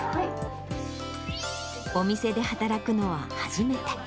お店で働くのは初めて。